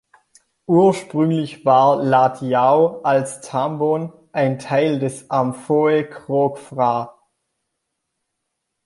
Ursprünglich war Lat Yao als "Tambon" ein Teil des Amphoe Krok Phra.